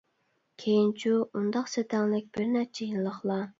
كېيىنچۇ؟ ئۇنداق سەتەڭلىك بىر نەچچە يىللىقلا!